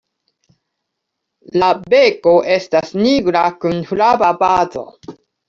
La beko estas nigra kun flava bazo.